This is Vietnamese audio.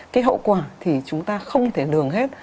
cái hậu quả thì chúng ta không thể lường hết